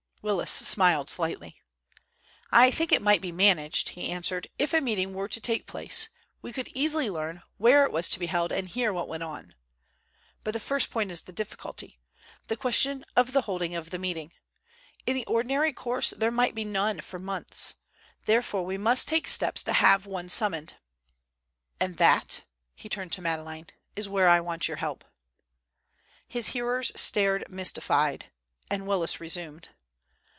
Willis smiled slightly. "I think it might be managed," he answered. "If a meeting were to take place we could easily learn where it was to be held and hear what went on. But the first point is the difficulty—the question of the holding of the meeting. In the ordinary course there might be none for months. Therefore we must take steps to have one summoned. And that," he turned to Madeleine, "is where I want your help." His hearers stared, mystified, and Willis resumed.